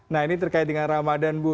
nah ini terkait dengan ramadan bu